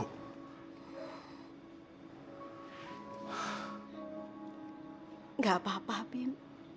tidak apa apa bim